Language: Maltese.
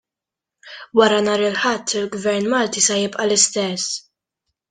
Wara nhar il-Ħadd, il-gvern Malti ser jibqa' l-istess.